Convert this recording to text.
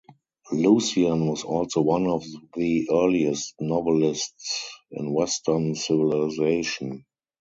Lucian was also one of the earliest novelists in Western civilization.